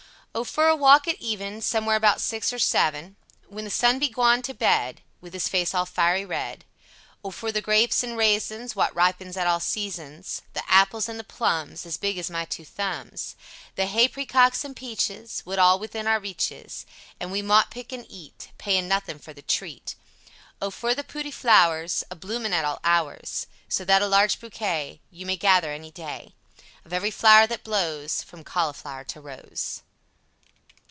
O for a wauk at even, somewhere abowt 6 or 7, When the Son be gwain to bed, with his fase all fyree red. O for the grapes and resins Wot ripens at all seesins; the appels and the Plumbs As Big as my 2 thums; the hayprecocks an peechis, Wot all within our reech is, An we mought pick an heat, paying nothing for the treat. O for the pooty flouers A bloomin at all ours, So that a large Bokay Yew may gether any day Of ev'ry flour that blose from Colleflour to rose.